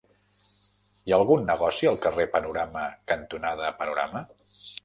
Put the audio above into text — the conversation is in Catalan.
Hi ha algun negoci al carrer Panorama cantonada Panorama?